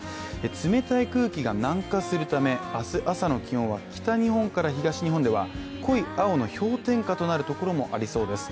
冷たい空気が南下するため明日朝の気温は北日本から東日本では濃い青の氷点下となるところもありそうです。